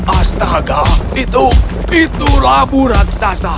astaga itu itulah bu raksasa lari